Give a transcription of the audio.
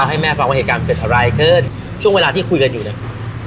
ให้แม่ฟังว่าเหตุการณ์เกิดอะไรขึ้นช่วงเวลาที่คุยกันอยู่เนี่ย